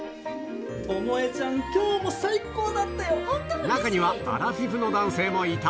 巴ちゃん、きょうも最高だっ中には、アラフィフの男性もいた。